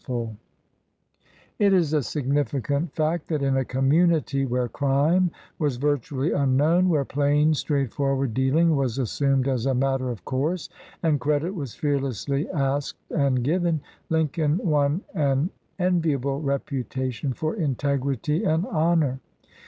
30 LEGAL APPRENTICESHIP It is a significant fact that in a community where crime was virtually unknown, where plain, straightforward Sealing was assumed as a mat ter of course, and credit was fearlessly asked and given, Lincoln won an enviable reputation for integrity and honor.